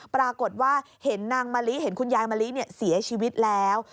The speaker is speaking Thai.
ปรากฏว่าเห็นนางมะลิเห็นคุณยายมะลิเสียชีวิตแล้ว